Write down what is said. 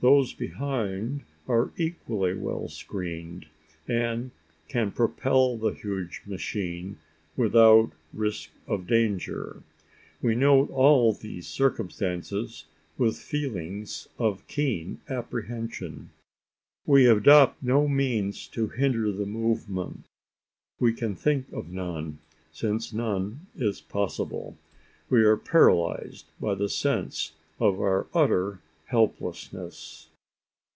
Those behind are equally well screened; and can propel the huge machine, without risk of danger. We note all these circumstances with feelings of keen apprehension. We adopt no means to hinder the movement: we can think of none, since none is possible. We are paralysed by a sense of our utter helplessness.